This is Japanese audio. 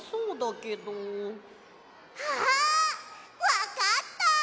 わかった！